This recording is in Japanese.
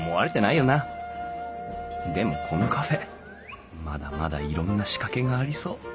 でもこのカフェまだまだいろんな仕掛けがありそう。